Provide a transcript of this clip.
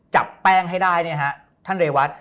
จับแป้งให้ได้เนี่ยฮะท่านเรวัต